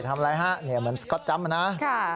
มันออกจากโก๊ดสวัสดีนะคะ